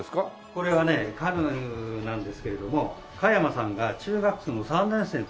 これはねカヌーなんですけれども加山さんが中学の３年生の時に。